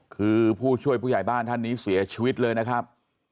คือผู้ช่วยผู้ใหญ่บ้านท่านนี้เสียชีวิตเลยนะครับ